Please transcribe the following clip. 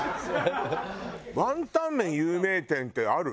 ワンタン麺有名店ってある？